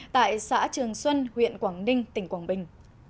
tại xã trường xuân huyện quảng ninh tỉnh quảng bình